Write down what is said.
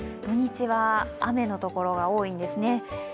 土日は雨のところが多いんですね。